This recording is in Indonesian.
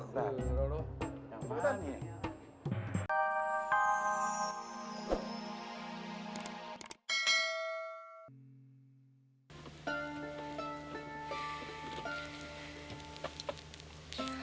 gila rono jangan malah nih